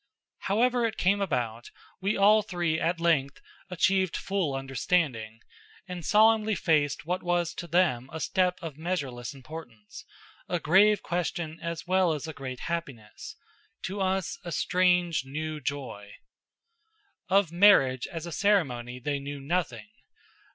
However it came about, we all three at length achieved full understanding, and solemnly faced what was to them a step of measureless importance, a grave question as well as a great happiness; to us a strange, new joy. Of marriage as a ceremony they knew nothing.